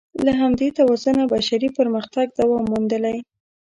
له همدې توازنه بشري پرمختګ دوام موندلی.